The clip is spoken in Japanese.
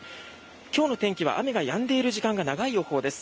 今日の天気は、雨がやんでいる時間が長い予報です。